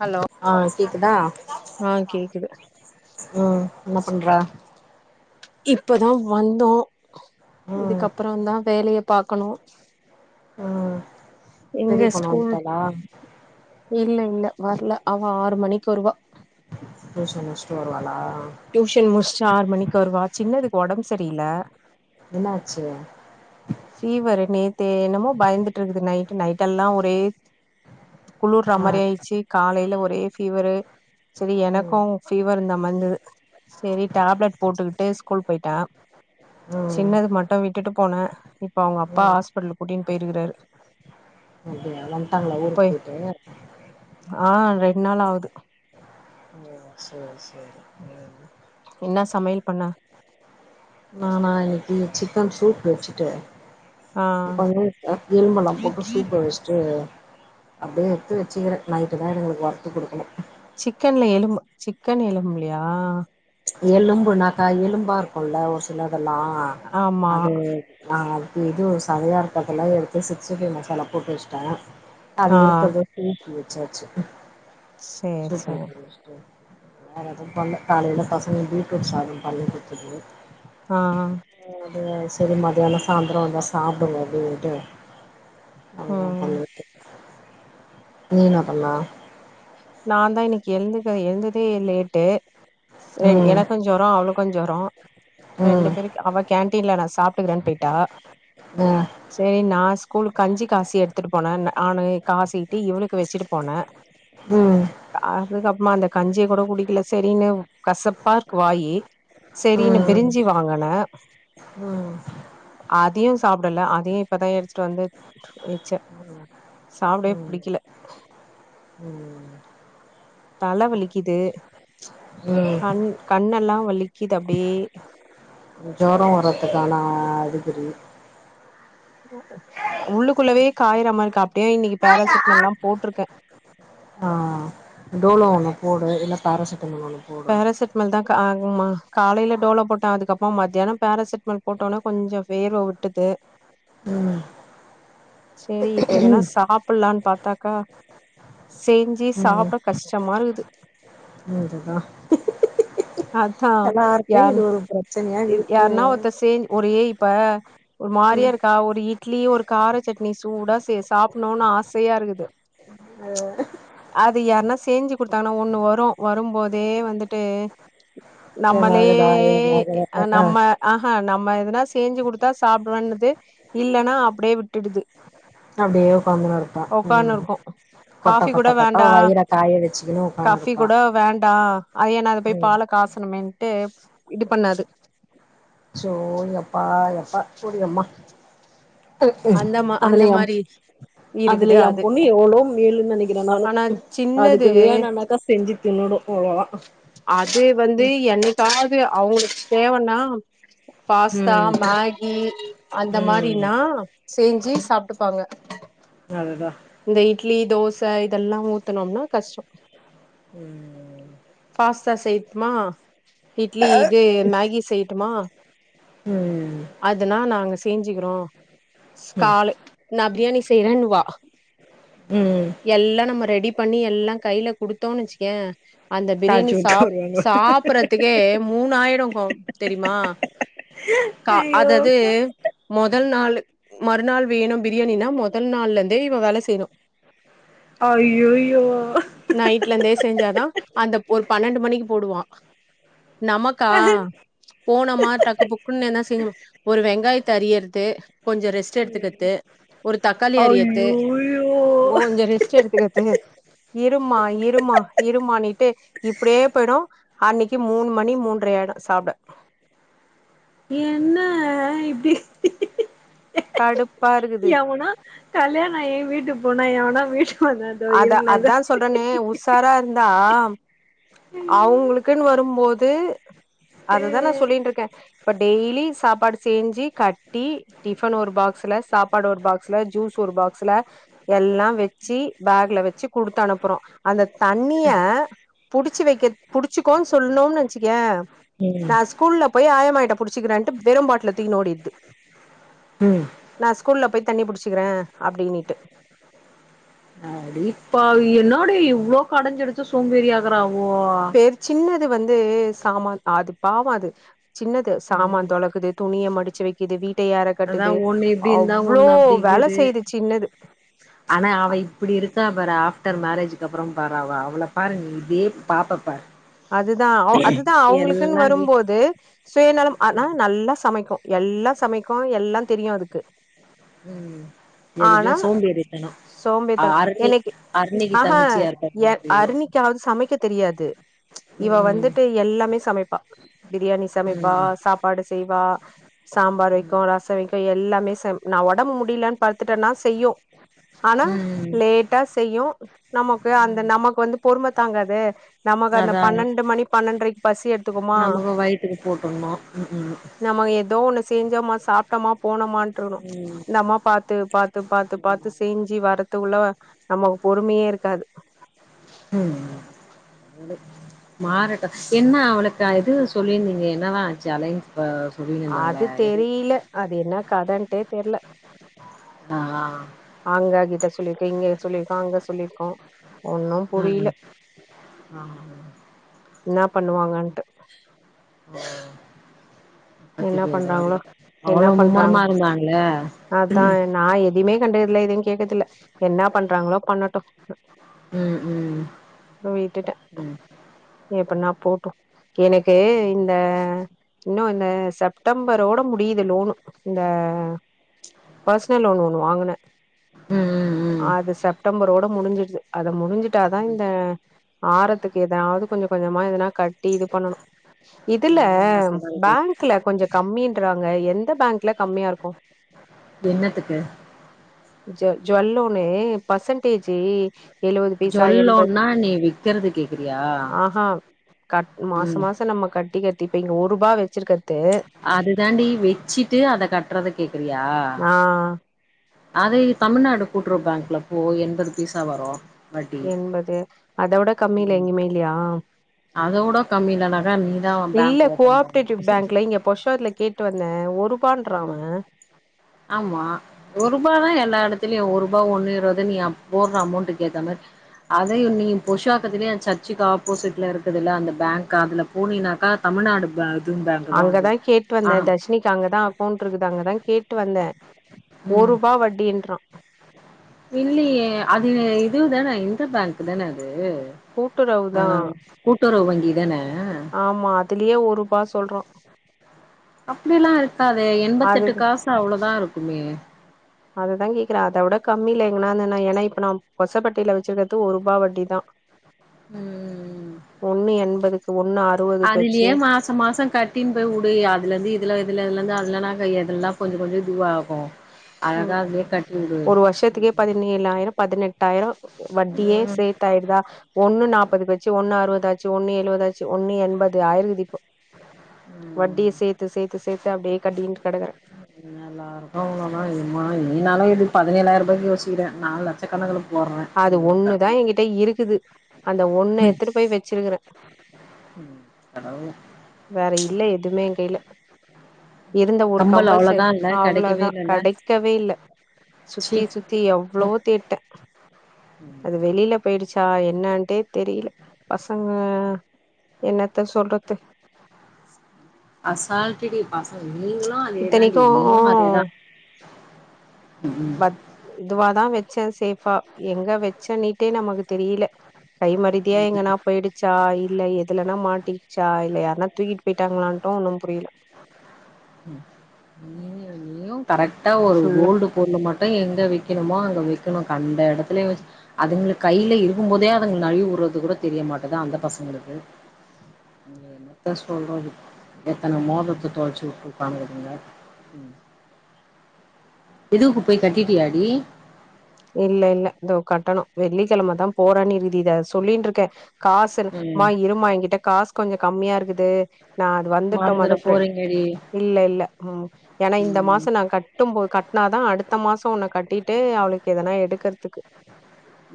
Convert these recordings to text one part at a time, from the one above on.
hello ஆ கேக்குதா ஆ கேக்குது ம் என்ன பண்றா இப்பதா வந்தோ ம் இதுக்கப்பறோந்தா வேலய பாக்கணோ அ எங்க ஸ்கூல் இல்ல இல்ல வர்ல அவ ஆறு மணிக்கு வருவா டூயூசன் முச்ட்டு வருவாளா டியூஷன் முச்ட்டு ஆறு மணிக்கு வருவா சின்னதுக்கு ஒடம்பு செரியில்ல என்னாச்சி ஃபீவரு நேத்தே என்னமோ பயந்துட்ருக்குது நைட்டு நைட்டெல்லா ஒரே ஆ குளூர்றமாரி ஆயிட்ச்சி காலைல ஒரே ஃபீவரு செரி ம் எனக்குங் ஃபீவரு இர்ந்த மாரி இந்துது செரி டேப்லெட் போட்டுக்கிட்டே ஸ்கூல் போய்ட்ட ம் சின்னது மட்டு விட்டுட்டு போனே இப்ப அவுங்க அப்பா ம் ஹாஸ்பிட்டலு கூட்டிட்ன்டு போயிருக்காரு எல்லா வன்ட்டாங்களா போய் ஊருக்கு போயிட்டு ஆ ரெண்ட் நாள் ஆவுது ஓ செர் செரி ம் இன்னா சமையல் பண்ண நானா இன்னிக்கி சிக்கன் சூப் வெச்சுட்டு ஆ இப்ப வந்து எலும்பெல்லா போட்டு சூப்ப வெச்ட்டு அப்டியே எட்த்து வெச்சிக்கிறே நைட்டு தா இதுங்குளுக்கு வர்த்து குடுக்கணோ சிக்கன்ல எலும்பு சிக்கன் எலும்புலியா எலும்புனாக்கா எலும்பாருக்குல்ல ஒரு சிலதெல்லா ஆமா அது ஆ அது இது சதையா இருக்கறதெல்லா எடுத்து சிக்ஸ்டி ஃபை மசாலா போட்டு வெச்ட்டே அது ஆ இருக்கர்த சூப்பு வெச்சாச்சு சேர் சூப்பு சேர் [inaudible] வேற எதும் பண்ல காலைல பசங்களுக்கு பீட்ரூட் சாதோ பண்ணி குத்துட்டு ஆ ஆ அ அது செரி மதியானோ சாந்தரோ வந்தா சாப்டுங்க அப்டின்ட்டு அவ்ளதா ம் பண்ணிவுட்டே நீ என்ன பண்ண நாந்தா இன்னக்கி எழுந்துக்க எழுந்ததே லேட்டு செரென் ம் எனக்கொஞ் ஜொரோ அவளுக்கு ஜொரோ ரெண்டு ம் பேருக் அவ கேன்டீன்ல நா சாப்ட்டுக்கிறேன்னு போய்ட்டா ஒ செரி நா ஸ்கூல்க் கஞ்சி காசி எடுத்துட்டு போனேன் நானு காசிட்டி இவளுக்கு வச்சிட்டு போனேன் ம் அதுக்கப்றமா அந்த கஞ்சிய கூட குடிக்கல செரின்னு கசப்பாருக்கு வாயி ம் செரினு ம் பிரிஞ்சி வாங்குனேன் ம் அதையு சாப்டல அதையும் இப்பதா எடுத்துட்டு வந்து வச்சென் சாப்டவே புடிக்கல ஒ தல வலிக்கிது ம் ம் கண் கண்ணெல்லாம் வலிக்கிது அப்டியே ஜொரம் வரதுக்கான அறிகுறி உள்ளுக்குள்ளவே காய்றமாருக்கு அப்டியே இன்னிக்கி பேராசிட்டமால்லா போட்ருக்கே ஆ டோலோ ஒண்ணு போடு இல்ல பேராசிட் பேராசிட் டமல் தா க ம அ காலைல டோலோ போட்டன் அதுக்கப்றமா மத்யானம் பேரசிட்டமல் போட்டோன்ன கொஞ்சோ வேர்வை [inaudible] ம் செரி இப்ப எதனா சாப்ட்லான் பாத்தாக்கா செஞ்சி சாப்ட கஷ்டமாருக்குது இதுதான் அ யார் இது ஒரு பிரச்சனையா இருக்கு யார்ன்னா ஒருத்த சேய் ஒரு ஏய் இப்ப ஒரு மாரியா ம் இருக்கா ஒரு இ இட்லி ஒரு கார சட்னி சூடா சே சாப்ணுன்னு ஆசையா இருக்குது அ அது யார்னா செஞ்சு குடுத்தாங்கன்னா ஒண்ணு வரும் வரும்போதே வந்துட்டு நம்மளே ஏமாகுதா ஏமாகுதா அ ஆ நம்ம அ நம்ம எதனா செஞ்சு குடுத்தா சாப்டுவேன்னுது இல்லன்னா அப்டியே விட்டுடுது அப்டியே ஒக்காந்துன்னு கடப்பா உக்கான்னு ம் இருக்கும் கொட்ட காஃபி கூட கொட்ட கொட்ட வேண்டா வயிற காய வச்சுக்கினு உக்கானு கஃபி இருப்பா கூட வேண்டா ஐன் நா இத போயி ம் பால காசனமேன்ட்டு இது பண்ணாது சோ யப்பா யப்பா போடியம்மா ம் ம் அந்த மா அந்த அதுல எம் மாரி அதுல இருக்குது என் அது பொண்ணு எவ்ளோ மேலுன்னு நெனைக்கிற நானு ஆனா சின்னது அதுக்கு வேணுனாக்கா செஞ்சு தின்னுடும் அவ்ளோதா அது வந்து என்னக்காது அவுங்களுக்கு தேவனா பாஸ்தா ம் மேகி அந்த ம் மாரினா செஞ்சு சாப்ட்டுப்பாங்க அதுதான் இந்த இட்லி தோச இதெல்லா ஊத்தனோம்னா கஷ்டம் ம் பாஸ்தா செய்யட்டுமா இட்லி இது மேகி செய்யட்டுமா ம் அதனா நாங்க செஞ்சிக்கிறோ ம் ஸ்கால நா பிரியாணி செய்றேன்னுவா ம் எல்லா நம்ம ரெடி பண்ணி எல்லா கைல குடுத்தோன் வச்சிகயேன் அந்த பிரியாணி தாஜூத்க்கு சாப் வருவாங்க சாப்றதுக்கே மூணாயிடுக்கு தெரிமா கா ஐயோ அதுதது மொதல் நாளு மறுநாள் வேணு பிரியாணினா மொதல் நாள்லேருந்தே இவ வேல செய்ணு அய்யய்யோ நைட்லருந்தே செஞ்சாதா அந்த ஒரு பன்னெண்டு மணிக்கு போடுவா நமக்கா போனமா டக்கு புக்குன்னு என்ன செய்யனு ஒரு வெங்காயத்த அறியறது கொஞ்ச ரெஸ் ட் எடுத்துகித்து ஒரு தக்காளி அறியர்த்து ஐயோயோ கொஞ்சோ ரெஸ்ட் எடுத்துக்கர்து இருமா இருமா இருமானிட்டே இப்படியே போய்டு அன்னிக்கி மூணு மணி மூன்ற ஆயிடு சாப்ட என்ன இப்டி கடுப்பா இருக்குது எவனோ கல்யாண ஆயி வீட்டு போனா எவனோ வீட் அத அதா சொல்றனே உசாரா இருந்தா அவுங்ளுக்குன்னு வரும்போது அததா நா சொல்லின்ருக்கே இப்ப டெய்லி சாப்பாடு செஞ்சு கட்டி டிஃபன் ஒரு பாக்ஸ்ல சாப்பாடு ஒரு பாக்ஸ்ல ஜூஸ் ஒரு பாக்ஸ்ல எல்லா வெச்சி பேக்ல வெச்சி குடுத்து அனுப்புறோ அந்த தண்ணிய புடிச்சு வைக்க புடிச்சுக்கோன் சொல்னுன் வச்சிகியே ம் நா ஸ்கூல்ல போய் ஆயம்மாட்ட புடிச்சுக்கறன்ட்டு வெறு பாட்டுல துக்கின்னு ஓடிடுது ம் நா ஸ்கூல்ல போய் தண்ணி புடிச்சிக்கிறே அப்டீனீட்டு அடி ப்பாவி என்னாடி இவ்ளோ கடஞ் எடுத்த சோம்பேறி ஆகுறாவோ எர் சின்னது வந்து சாமான் அது பாவோ அது சின்னது ம் சாமான் தொலக்குது துணிய மடிச்சு வெக்கிது வீட்ட ஏற அதா கட்டுது ஒண்ணு இப்டி இருந்தா அவ்ளோ ஒண்ணு வேல செய்து சின்னது அனா அவ இப்டி இருக்கா பாரு ஆஃப்டர் மேரேஜ்க்கு அப்பறோ பாரு அவ அவள பாரு நீ இப்டியே பாப்ப பாரு அதுதா ஓ அதுதா அவுங்களுக்குன்னு எல்லா வீட் வரும்போது சுய நலம் அனா ம் நல்லா சமைக்கு எல்லா சமைக்கு எல்லா தெரியு அதுக்கு ம் ஆனா எதுலியோ சோம்பேறித்தனோ அ சோம்பேறித்தனோ ஹரிணி எனக்கு ஹரிணிக்கு ஆஹா தங்கச்சியா இருக்க எ அரிணிக்காவது சமைக்க தெரியாது இவ ம் வந்துட்டு எல்லாமே சமைப்பா பிரியாணி ம் சமைப்பா ம் சாப் பாடு செய்வா சாம்பார் வைக்கு ரசோ வைக்கு எல்லாமே செம் நா ஒடம்பு முடிலன் படுத்துட்டன்னா செய்யு அனா ம் லேட் டா செய்யு நமக்கு அந்த ம் ம் நமக்கு வந்து பொறும தாங்காது நமக்கு அந்த அதா பனண்டு மணி பனண்ரைக்கு பசி எடுத்துக்குமா நமக்கு வயித்துக்கு போட்டுண்ணு ம் நமக்கு எதோ ஒன்னு செஞ்சோம்மா சாப்ட்டம்மா போனமாணுட்ருக்கனு ம் ம் இந் அம்மா பாத்து பாத்து பாத்து பாத்து செஞ்சு வரத்துக்குள்ள நமக்கு பொறுமையே இருக்காது ம் மாறட்டு என்ன அவளுக்கு இது சொல்லியிருந்தீங்க என்ன தா ஆச்சு அலைன்சு இப்ப சொல்லின்னு அது இருந்தாங்களே தெரில அது என்ன கதன்ட்டே தெர்ல அ ஆ ஆங்க கிட்ட சொல்லிருக்க இங்க சொல்லிருக்கோ அங்க சொல்லிருக்கோ ஒன்னு ஆ புரில ஆ ஆ என்ன பண்ணு வாங்கன்ட்டு ஓ பத்து என்ன பேரு வாங்க பண்றாங்களோ என்ன அவ்ளோவு பண்றாங்க மும்முரமா இருந்தாங்ளே அதா நா எதையுமே கண்டுகறதுல எதையு கேக்கறதுல்ல என்ன பண்றாங்களோ பண்ணட்டு ம் ம் ம் எப்டினா போட்டு எனக்கு இந்த இன்னு வந் து இந்த செப்டம்பரோட முடியுது லோனு இந்த பர்சனல் லோன் ஒண்ணு வாங்குனா ம் ம் ம் அது செப்டம்பரோட முடிஞ்சுடுறுது அத முடிஞ்சுட்டா தா இந்த ஆறத்துக்கு எதாவது கொஞ்ச கொஞ்சமா எதனா கட் டி இது பண்ணணு இதுல இன்னும் மூணு மாசந்தா இருக்கு பேங்க் குல கொஞ்சோ கம்மின்றாங்க எந்த பேங்குல கம்மியாருக்கு என்னத்துக்கு ஜொல் ஜொல் ஒன்னு பர்சன்டேஜி ஏழுவது பைசா எம்பது ஜொல்லோன்னா நீ விக்கறது கேக்குறியா ஆஹா கட் மாசோ ம் மாசோ நம்ம கட்டிக்கிறது இப்ப இங்க ஒரு ரூபா வச்சிக்கிறது அது தாண்டி வெச்சிட்டு அத கட்டுறத கேக்குறியா ஆ அதே தமிழ்நாடு கூட்டுறவு பேங்க்ல போ எம்பது பைசா வரு வட்டி எம்பது அதோட கம்மியில ம் எங்கேயுமே இல்லையா அதோட கம்மிலனாக்கா நீதா பேங்க் இல்ல கோ ஓபன் ஆப்ரேட்டிவ் பண்ணு பேங்க்ல இங்க புருஷோவாக்கத்துல கேட் டு வந்தே ஒரு ரூபான்றாங்க ம் ஆமா ஒரு ரூபா தா எல்லா எடத்திலியு ஒரு ரூபா ஒண்ணு இருபது நீ போட்ற அமௌண்ட் கேத்த மாரி அதையு நீ புருஷோவக்கத்துலயே சர்ச்சுக்கு ஆப்போசிட்லருக்குதுல்ல அந்த பேங்க்கு அதுல போனீனாக்கா தமிழ்நாடு பேங் அங்கதா கேட்டு வந்தே தர்ஷினி ட்ட அங்கதா அக்கௌண்ட் இருக்குது அங்கதா கேட்டு வந்தே ஒரு ம் ரூபா வட்டின்றா இல்லையே அது இதுதான இந்த பேங்க் தானே அது ஆ கூட்டுறவுதா கூட்டுறவு வங்கி தான ஆமா அதுலயே ஒரு ரூபா சொல்றா அப்படில்லா இருக்காதே அது எம்பத்தெட்டு காசு அவ்ளோதா இருக்குமே அததா கேக்கறே அத உட கம்மில எங்கன்னா [unintelligible] ஏன்னா இப்ப நா கொசப்பட்டியில வச்சுருக்கது ஒரு ரூபா வட்டி தா ஒண்ணு எம்பதுக்கு ஒண்ணு ஆ அதுலியே மாசோ மாசோ கட் டின் போய் உடு அதுலருந்து இதுலா இதுல இதுலருந்து அதுலலா க எதுல்லா கொஞ்சே கொஞ்சே இதுவாகு அதுதா ம், அதுலயே கட்டிடு ஒரு வருஷத்துக்கே பதினேழாயிரோ பதினெட்டாயிரோ வட்டியே ம் சேத்தாயிருதா ஒண்ணு நாப்பதுக்கு வச்சு ஒண்ணு அறுவதாச்சு ஒண்ணு எழுவதாச்சு ஒண்ணு எம்பது ஆயிருக்குது இப்போ வட்டியே சேத்து சேத்து சேத்து அப்டியே கட்டின்ட்டு கெடக்குறே நல்லாருக்கு அவ்ளோலா இது [unintelligible] நீனாலு இது பதினேழாயிரூபாயிக்கே யோசிக்கிற நா லட்ச அது ஒண்ணுதா எங்கிட்ட இருக்குது அந்த ஒண்ண எடுத்துட்டு போய் வச்சிருக்குறே ம் ஹலோ வேற இல்ல எதுவுமே எங் கையில இருந்த ஒரு கம்பல் அவ்ளோதா கம்பல்செட் இல்ல கெடைக்கவே அவ்ளோதா இல்லல்ல கடைக்கவே இல்ல ச்சீ சுத்தி சுத் தி எவ்ளோவோ தேடிட்டே அது வெளியில போயிடுச்சா என்னட்டே தெரியல பசங்க என்னத்த சொல்றது அசால்ட்டுடி பசங்க நீங்களு அதேதான்டி இத்தனைக்கு நீயு அதேதா ம் பத் இதுவாதா வச்சே சேஃபா எங்க வச்சன்னேட்டே நமக்கு தெரில கை மருதியா ம் எங்கனா போயிடுச் சா இல்ல எதுலன்னா மாட்டிடுசா இல்ல யாருனா தூக்கிட்டு போயிட்டாங்களான்ட்டு ஒன்னு புரில ம் நீயு நீயு கரெக்டா ஒரு ஃபுல்லா கோல்டு பொருள் மட்டு எங்கே விக்கணுமோ அங்கே விக்கணு கண்ட இடத்துல வெச்சு அதுங்களுக்கு கையில இருக்கு போதே அதுங்க நழிவிவுடுறது கூட தெரிய மாட்டேங்கிர்து அந்த பசங்களுக்கு என்னத்த சொல்றது எத்தன மோத ரத்த தொலைத்துவிட்டு இருப்பானுங்க இதுங்க எதுக்கு போய் கட்டிடியாடி இல்ல இல்ல இதோ கட்டணு வெள்ளிக்கிழமைதா போறணி இருதி இத சொல்லிட்டு இருக்கே காசு இரு மா ம் இருமா என்கிட்ட காசு கொஞ்சோ கம்மியா இருக்குது நா அது வந்துட்டோ மறந்துட மொதஃப்ர போறீங்கடி இல்ல இல்ல ம் என்னா இந்த ம் மாசோ நா கட்டும் போ கட்டினாதா அடுத்த மாசோ உன்ன கட்டிட்டு அவளுக்கு எதனா எடுக்கறதுக்கு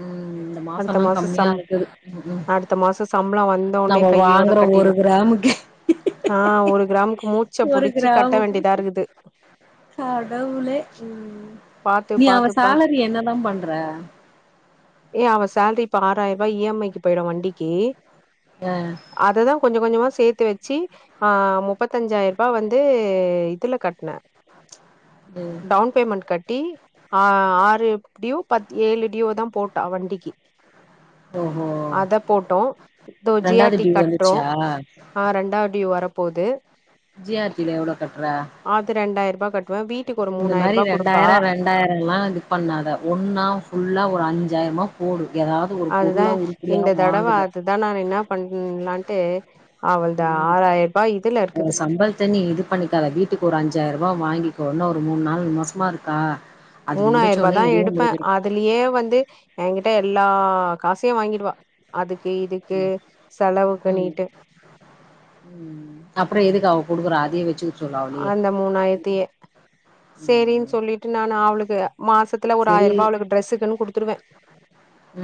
ம் இந்த அடுத்த மாசம்லா மாசோ கம்மியா சம் இருக்குது ம் அடுத்த மாசோ சம்பளோ வந்தோனே நம்ம கையோட வாங்குற ஒரு கட்டிடுவே கிராமுக்கே ஆ ஒரு கிராமுக்கு மூச்ச ஒரு புடிச்சு கட்ட கிராமுக்கு வேண்டியதா இருக்குது கடவுளே ம் பாத்து நீ அவ பாத்து பாத் சேலரிய என்னதா பண்ற ஏய் அவ சேலரி இப்ப ஆறாயிரம் ரூபா இ எம் ஐக்கு போயிடு வண்டிக்கு ஆ அததா கொஞ்சோ கொஞ்சமா சேத்து வச்சு ஆ முப்பத்தஞ்சாயிர ரூபா வந்து இதுல கட்டுனே ம் டவுன் பேமெண்ட் கட் டி ஆறு ப்டியு பத் ஏழு டியோ தா போட்டா வண்டிக்கு ஓஹோ அத போட்டோ இதோ ஜி ரெண்டாவது ஆர் டி டியூ கட்றோ வந்துச்சா ஆ ரெண்டாவது டியூ வரப்போது ஜி ஆர் டி ல எவ்ளோ கட்ற அது ரெண்டாயிர ரூபா கட்டுவே வீட்டுக்கு ஒரு இந்த மூனாயிர மாரி ரூபா குடு ரெண்டாயிரோ ரெண்டாயிரம்லா இது பண்ணாத ஒன்னா ஃபுல்லா ஒரு அஞ்சாயிரமா போடு ஏதாவ அதுதா இந்த தடவை அதுதா நா என்ன பண்ணலான்ட்டு அவ்ள்து ஆறாயிரம் ரூபா இதுல இருக்குது இத்த நீ இது பண்ணிக்காத வீட்டுக்கு ஒரு அஞ்சாயிரம் ரூபா வாங்கிக்கோ ஒரு மூணு நாள் மாசதா இருக்கா அது மூணாயிரம் ரூபா முடிச்சோனே தா இதுவு எடுப்பே முடிஞ்சிரு அதுலயே வந்து என்கிட்ட எல்லா காசையு வாங்கிடுவா அதுக்கு இதுக்கு ம் ம் செலவுக்குண்ணிட்டு ம் அப்றோ எதுக்கு அவ கொடுக்குற அதைய வச்சு அந்த மூணாய்ரத்தயே சேரின் ம் சொல்லிட்டு நா அவ்ளுக்கு மாசத்துல ஒரு செரி ஆயர்ரூபா அவ்ளுக்கு ட்ரெஸ்சுக்குனு குடுத்துருவே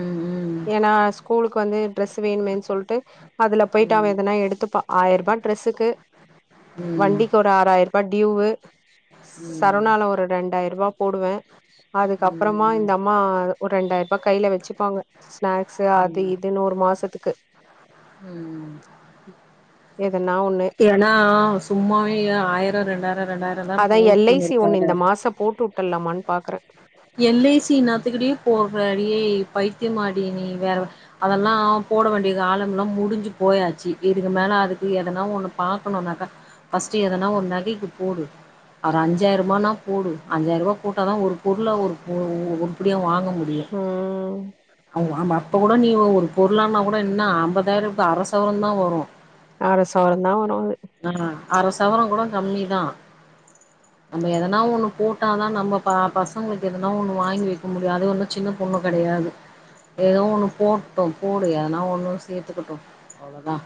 ம் ம் எனா ஸ்கூலுக்கு வந்து ட்ரெஸ் வேணுமேன் சொல்ட்டு அதுல போய்ட்டு அவ ம் எதனா எடுத்துப்பா ஆயர்ரூபா ட்ரெஸ்ஸுக்கு ம் வண்டிக்கு ஒரு ஆறாய்ரூபா டியூவு ம் சரவ்ணால ஒரு ரெண்டாயிர் ரூவா போடுவே அதுக்கப்பறமா ம் இந்தம்மா ஒரு ரெண்டாயிரூபா கைல வெச்சுப்பாங்க ஸ்நாக்ஸ்சு ம் அது ம் இதுன்னு ஒரு மாசத்துக்கு ம் எதனா ஒண்ணு ஏன்னா சும்மாவே இ ஆயரோ ரெண்டாயரோ ரெண்டாயரோ அதா எல் ஐ சி ஒண்ணு இந்த மாசோ போட்டுட்டலாமான் பாக்றே எல் ஐ சி ன்னாத்துக்டி போட்ற ஏய் பைத்தியமாடி நீ வேற அதெல்லா போட வேண்டிய காலங்கள்லா முடிஞ்சு போயாச்சு இதுக்கு மேல அதுக்கு எ எதனா ஒண்ணு பாக்கணுனாக்க ஃப்ர்ஸ்ட் எதனா ஒர் நகைக்கு போடு ஒரு அஞ்சாயர்பானா போடு அஞ்சாயர்வா போட்டாதா ஒரு பொருளா ஒரு பு உருப்டியா வாங்க முடியு ம் அவ் ஆம அப்ப கூட நீ ஒரு பொருளானா கூட என்னா அம்பதாயரோ இப்ப அர சவரந்தா வரு அர சவரந்தா வரும் அது ஆ அர சவரோ கூட கம்மிதா நம்ம எதனா ஒன்னு போட்டாதா நம்ம ப பசங்ளுக்கு எதனா ஒன்னு வாங்கி வெக்க முடியு அது ஒன்னு சின்ன பொண்ணு கெடையாது ஏதோ ஒன்னு போட்டு போடு எதனா ஒன்னு சேத்துக்கிட்டு அவ்ளோதா